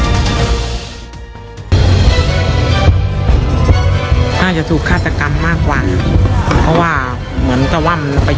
วันนี้แม่ช่วยเงินมากกว่าแม่ช่วยเงินมากกว่า